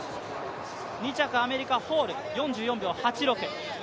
２着、アメリカ、ホール、４４秒８６。